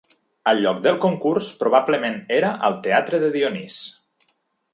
El lloc del concurs probablement era al Teatre de Dionís.